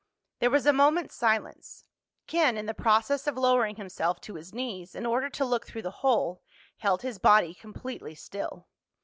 There was a moment's silence. Ken, in the process of lowering himself to his knees in order to look through the hole, held his body completely still.